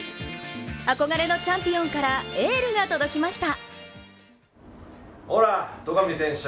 憧れのチャンピオンからエールが届きました。